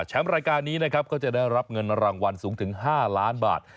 รายการนี้นะครับก็จะได้รับเงินรางวัลสูงถึง๕ล้านบาท